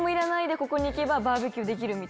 ここに行けばバーベキューできる。